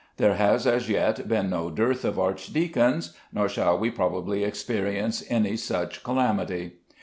There has as yet been no dearth of archdeacons; nor shall we probably experience any such calamity.